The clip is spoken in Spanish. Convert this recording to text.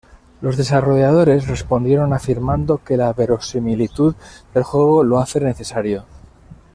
Los desarrolladores respondieron afirmando que la verosimilitud del juego lo hace necesario.